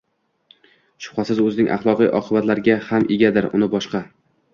shubhasiz o‘zining axloqiy oqibatlariga ham egadir: uni boshqa